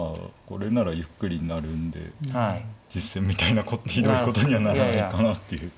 これならゆっくりになるんで実戦みたいなひどいことにはならないかなっていう。